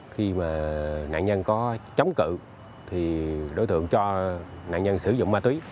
khi mà nạn nhân có chống cự thì đối tượng cho nạn nhân sử dụng ma túy